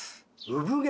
産毛。